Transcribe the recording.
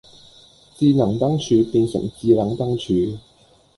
智能燈柱變成致撚燈柱